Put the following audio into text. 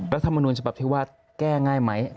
รัฐมนุนฉบับที่ว่าแก้ง่ายไหม